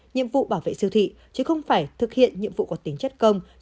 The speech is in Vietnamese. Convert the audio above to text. nhiệm vụ bảo vệ siêu thị chứ không phải thực hiện nhiệm vụ có tính chất công